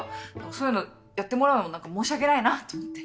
そういうのやってもらうのも何か申し訳ないなと思って。